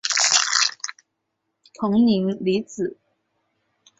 彭宁离子阱。